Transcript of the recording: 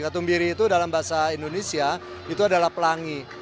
katumbiri itu dalam bahasa indonesia itu adalah pelangi